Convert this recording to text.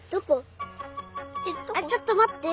あっちょっとまって。